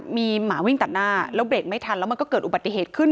มีหมาวิ่งตัดหน้าแล้วเบรกไม่ทันแล้วมันก็เกิดอุบัติเหตุขึ้น